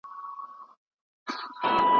آيا د چين اقتصاد له پخوا پياوړی و؟